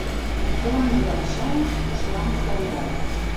L'amo del sòl és l'amo del vol.